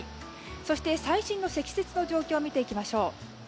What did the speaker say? そして、最新の積雪の状況を見ていきましょう。